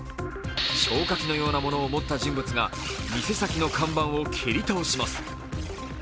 消火器のようなものを持った人物が店先の看板を蹴り倒します。